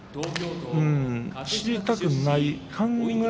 知りたくない。